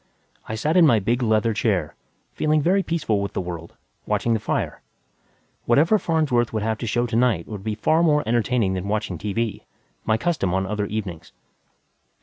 I sat in my big leather chair, feeling very peaceful with the world, watching the fire. Whatever Farnsworth would have to show to night would be far more entertaining than watching T.V. my custom on other evenings.